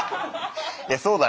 いやそうだね。